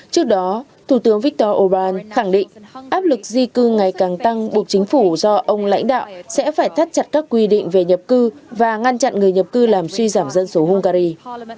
trước đó thủ tướng viktor orbán khẳng định áp lực di cư ngày càng tăng buộc chính phủ do ông lãnh đạo sẽ phải thắt chặt các quy định về nhập cư và ngăn chặn người nhập cư làm suy giảm dân số hungary